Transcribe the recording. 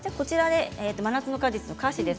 「真夏の果実」の歌詞です。